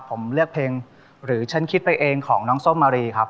ผมเลือกเพลงหรือฉันคิดไปเองของน้องส้มมารีครับ